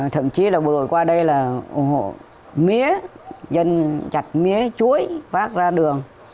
thậm chí là bộ đội qua đây là ủng hộ mía dân chặt mía chuối vác ra đường